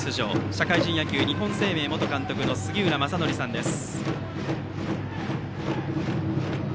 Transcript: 社会人野球、日本生命元監督の杉浦正則さんです。